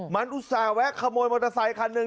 มันอุตส่าห์แวะขโมยมอเตอร์ไซคันหนึ่ง